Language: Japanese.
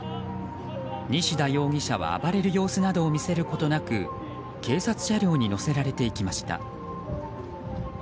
西田容疑者は暴れる様子などを見せることなく警察車両に乗せられていきました。